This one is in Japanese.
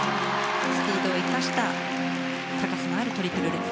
スピードを生かした高さのあるトリプルルッツ。